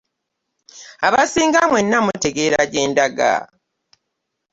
Abasinga mwenna mutegera gyendaga.